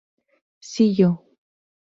Si Yo!